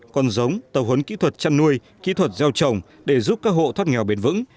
con giống tập huấn kỹ thuật chăn nuôi kỹ thuật gieo trồng để giúp các hộ thoát nghèo bền vững